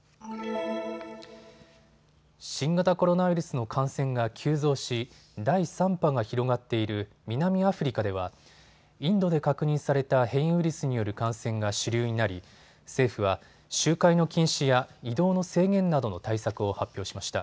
新型コロナウイルスの感染が急増し、第３波が広がっている南アフリカではインドで確認された変異ウイルスによる感染が主流になり政府は集会の禁止や移動の制限などの対策を発表しました。